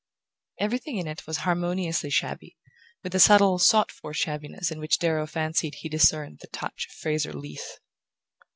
Everything in it was harmoniously shabby, with a subtle sought for shabbiness in which Darrow fancied he discerned the touch of Fraser Leath.